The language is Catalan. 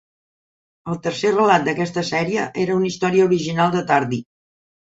El tercer relat d'aquesta sèrie era una història original de Tardi.